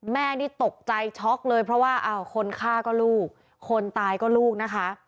แม่นี่ตกใจช็อกเลยเพราะว่าคนฆ่าก็ลูกคนตายก็ลูกนะคะ